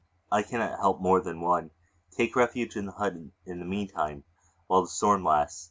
] I cannot help more than one. Take refuge in the hut in the mean time while the storm lasts.